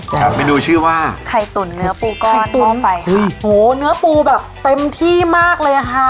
ครับเมนูชื่อว่าไข่ตุ๋นเนื้อปูก้อนตุ๋นไปอุ้ยโหเนื้อปูแบบเต็มที่มากเลยอ่ะค่ะ